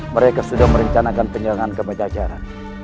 mereka sudah merencanakan penyerangan ke pejajaran